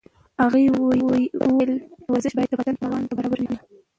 هغې وویل ورزش باید د بدن توان ته برابر وي.